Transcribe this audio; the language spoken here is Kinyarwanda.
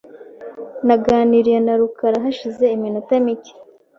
Naganiriye na rukara hashize iminota mike .